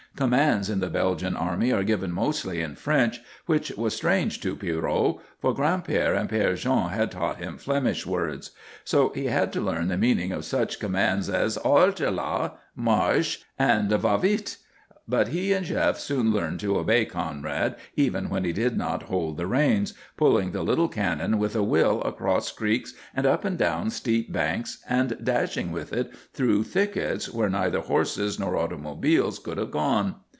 Commands in the Belgian army are given mostly in French, which was strange to Pierrot, for Gran'père and Père Jean had taught him Flemish words. So he had to learn the meaning of such commands as "Halte là!" "Marche!" and "Va vite!" But he and Jef soon learned to obey Conrad even when he did not hold the reins, pulling the little cannon with a will across creeks and up and down steep banks, and dashing with it through thickets where neither horses nor automobiles could have gone.